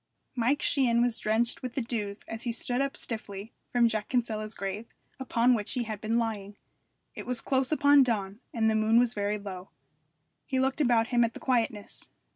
Mike Sheehan was drenched with the dews as he stood up stiffly from Jack Kinsella's grave, upon which he had been lying. It was close upon dawn, and the moon was very low. He looked about him at the quietness.